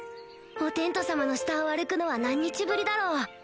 お天道さまの下を歩くのは何日ぶりだろう？